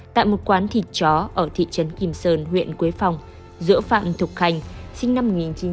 tại một quán thịt chó ở thị trấn kim sơn huyện quế phong giữa phạm thục khành sinh năm một nghìn chín trăm chín mươi ba